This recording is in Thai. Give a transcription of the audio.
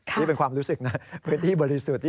นี่เป็นความรู้สึกนะพื้นที่บริสุทธิ์